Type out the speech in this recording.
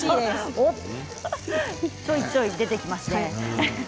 ちょいちょい出てきますね。